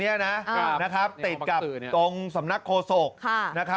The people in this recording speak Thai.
นี่หลังตรงนี้นะติดกับตรงสำนักโฆษก